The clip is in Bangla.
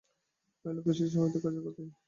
বাইরে লোক এসেছে, হয়তো কাজের কথায়।